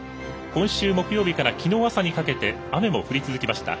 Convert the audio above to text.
今週木曜日からきのうの夜にかけて雨も降り続きました。